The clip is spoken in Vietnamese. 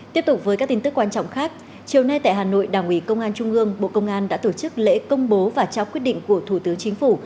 tiếp tục với các tin tức quan trọng khác chiều nay tại hà nội đảng ủy công an trung ương bộ công an đã tổ chức lễ công bố và trao quyết định của thủ tướng chính phủ